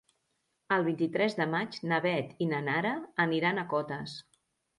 El vint-i-tres de maig na Beth i na Nara aniran a Cotes.